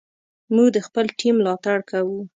موږ د خپل ټیم ملاتړ کوو.